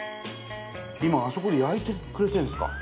今あそこで焼いてくれてるんですか？